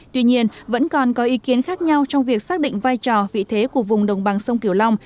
tuy nhiên vẫn còn có ý kiến khác nhau trong việc xác định vai trò vị thế của vùng đồng bằng sông kiều long